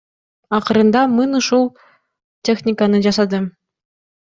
Акырында мын ушул техниканы жасадым.